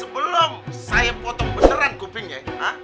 belom saya potong beseran kupingnya